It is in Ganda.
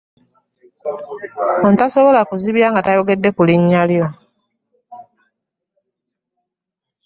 Ono tasobola kuzibya nga tayogedde ku linya lyo.